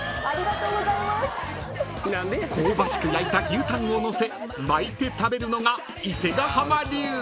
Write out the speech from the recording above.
［香ばしく焼いた牛タンをのせ巻いて食べるのが］